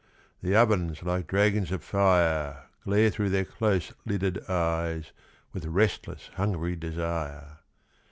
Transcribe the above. The ovens like dragons of fire Glare thro' their close lidded eyes With restless hungry desire.